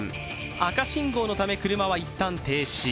赤信号のため、車は一旦停止。